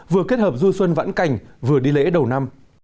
vừa kết hợp du xuân vãn cảnh vừa đi lễ đầu năm